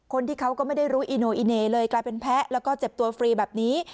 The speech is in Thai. คนที่เขาก็ไม่ได้รู้อีโนอิเน่เลยกลายเป็นแพ้แล้วก็เจ็บตัวฟรีแบบนี้